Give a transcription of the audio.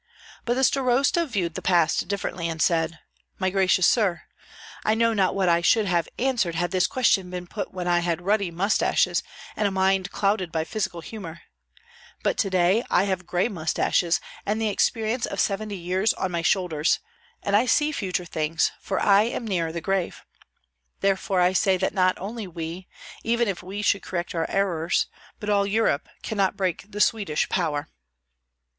But the starosta viewed the past differently, and said: "My gracious sir, I know not what I should have answered had this question been put when I had ruddy mustaches and a mind clouded by physical humor; but to day I have gray mustaches, and the experience of seventy years on my shoulders, and I see future things, for I am near the grave; therefore I say that not only we, even if we should correct our errors, but all Europe, cannot break the Swedish power."